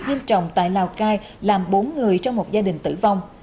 nghiêm trọng tại lào cai làm bốn người trong một gia đình tử vong